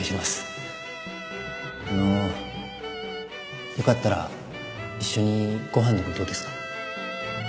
あのよかったら一緒にご飯でもどうですか？